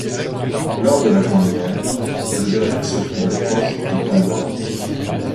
Lors de la Grande Guerre, le domaine se trouvait proche des combats.